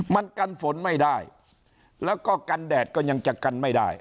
มันกันฝนไม่ได้แล้วก็กันแดดก็ยังจะกันไม่ได้